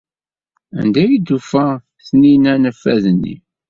Anda ay d-tufa Taninna anafad-nni?